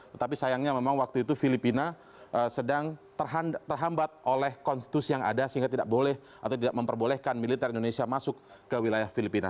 tetapi sayangnya memang waktu itu filipina sedang terhambat oleh konstitusi yang ada sehingga tidak boleh atau tidak memperbolehkan militer indonesia masuk ke wilayah filipina